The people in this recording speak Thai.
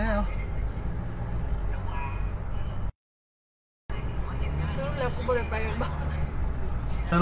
เรื่องของฉัน